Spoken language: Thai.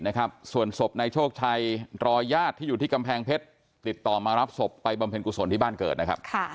นะครับส่วนศพนายโชคชัยรอญาติที่อยู่ที่กำแพงเพชรติดต่อมารับศพไปบำเพ็ญกุศลที่บ้านเกิดนะครับ